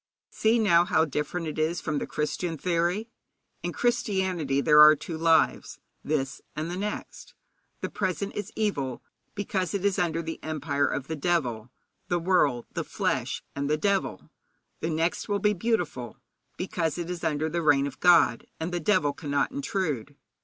See now how different it is from the Christian theory. In Christianity there are two lives this and the next. The present is evil, because it is under the empire of the devil the world, the flesh, and the devil. The next will be beautiful, because it is under the reign of God, and the devil cannot intrude.